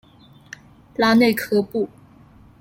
拉内科布。